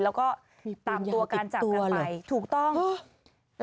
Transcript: แล้วก็ตามตัวการจับกันไปถูกต้องพิมพียาปิดตัวเหรอ